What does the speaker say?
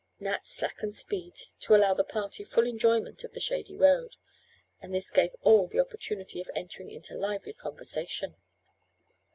Nat slackened speed to allow the party full enjoyment of the shady road, and this gave all an opportunity of entering into lively conversation.